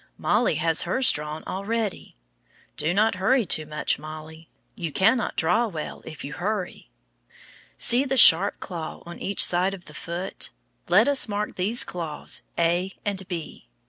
Mollie has hers drawn already. Do not hurry too much, Mollie. You cannot draw well if you hurry. See the sharp claw on each side of the foot. Let us mark these claws a and b.